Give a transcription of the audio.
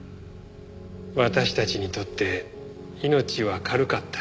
私たちにとって命は軽かった。